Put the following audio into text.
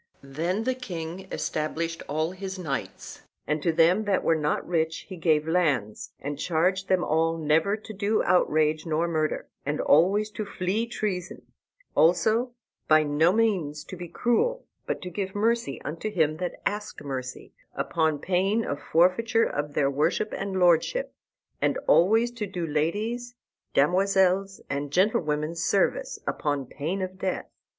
Then the king stablished all his knights, and to them that were not rich he gave lands, and charged them all never to do outrage nor murder, and always to flee treason; also, by no means to be cruel, but to give mercy unto him that asked mercy, upon pain of forfeiture of their worship and lordship; and always to do ladies, damosels, and gentlewomen service, upon pain of death.